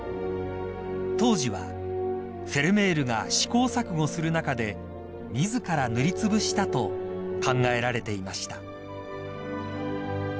［当時はフェルメールが試行錯誤する中で自ら塗りつぶしたと考えられていました］